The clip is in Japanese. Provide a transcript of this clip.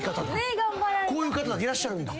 こういう方いらっしゃるんだ。